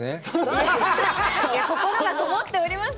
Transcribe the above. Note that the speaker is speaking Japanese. アハハハ心がこもっております